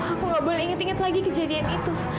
aku nggak boleh ingat ingat lagi kejadian itu